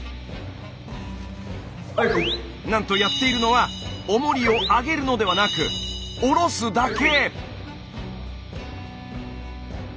なんとやっているのはおもりを上げるのではなく下ろすだけ！